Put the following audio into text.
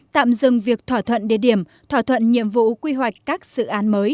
tạm dừng việc thỏa thuận địa điểm thỏa thuận nhiệm vụ quy hoạch các dự án mới